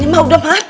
ini mah udah mati